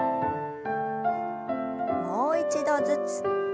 もう一度ずつ。